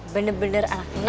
bener bener anaknya